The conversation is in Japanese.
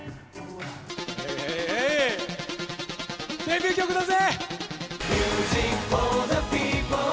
デビュー曲だぜ！